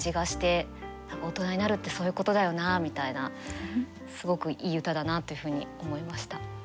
大人になるってそういうことだよなみたいなすごくいい歌だなというふうに思いました。